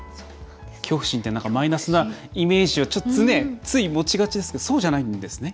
恐怖心ってマイナスなイメージをつい持ちがちですがそうじゃないんですね。